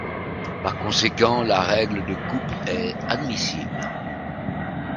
Par conséquent, la règle de coupe est admissible.